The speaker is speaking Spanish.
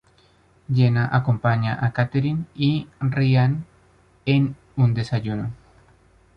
Jenna acompaña a Catherine y Ryan en un desayuno.